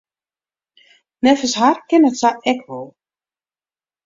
Neffens har kin it sa ek wol.